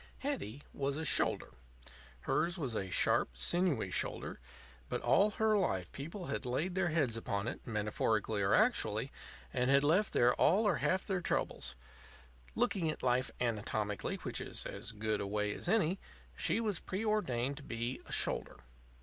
Hetty was a Shoulder. Hers was a sharp, sinewy shoulder; but all her life people had laid their heads upon it, metaphorically or actually, and had left there all or half their troubles. Looking at Life anatomically, which is as good a way as any, she was preordained to be a Shoulder.